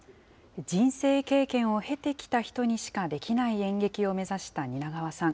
人生経験を経てきた人にしかできない演劇を目指した蜷川さん。